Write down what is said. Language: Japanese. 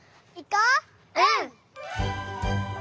うん！